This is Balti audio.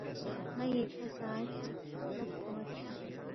ن٘ا ییکھہ ساعت چِک خلد فیُون٘ید